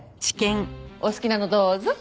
お好きなのどうぞ。